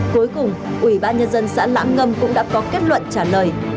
cuối cùng ủy ban nhân dân xã lãng ngâm cũng đã có kết luận trả lời